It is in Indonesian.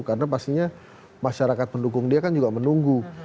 karena pastinya masyarakat pendukung dia kan juga menunggu